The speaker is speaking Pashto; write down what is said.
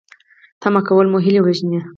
تمه کول مو هیلې وژني